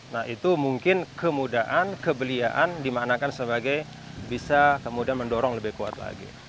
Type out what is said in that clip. nah itu mungkin kemudahan kebeliaan dimaknakan sebagai bisa kemudian mendorong lebih kuat lagi